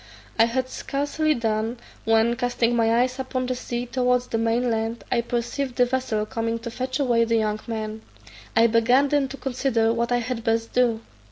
I had scarcely done, when, casting my eyes upon the sea towards the main land, I perceived the vessel coming to fetch away the young man. I began then to consider what I had best do.